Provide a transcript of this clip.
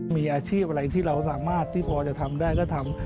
มีอาชีพอะไรที่เราสามารถที่พอจะทำได้ก็ทำ